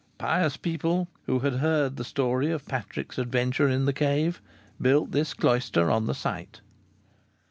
Pious people, who had heard the story of Patrick's adventure in the cave, built this cloister on the site."